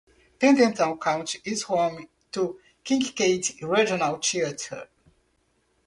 Pendleton County is home to Kincaid Regional Theatre.